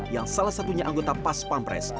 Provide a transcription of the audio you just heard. yang salah satunya anggota pas pampres